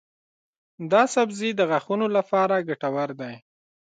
دا سبزی د غاښونو لپاره ګټور دی.